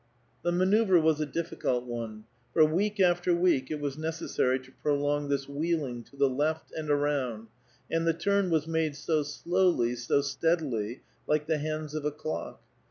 The manoeuvre was a difficult one ; for week after week it was necessary to prolong this wheeling " to the left and around," and the turn was made so slowlv, so steadilv, like the hands of a clock.